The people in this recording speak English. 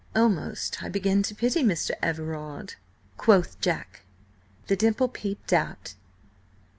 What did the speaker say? "Almost I begin to pity this Mr. Everard," quoth Jack. The dimple peeped out.